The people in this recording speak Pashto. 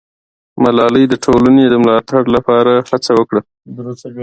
ملالۍ د ټولنې د ملاتړ لپاره هڅه وکړه.